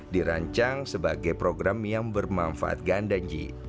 dirancang sebagai program yang bermanfaat gandanji